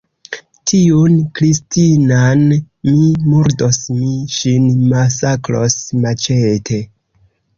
Tiun Kristinan mi murdos, mi ŝin masakros maĉete!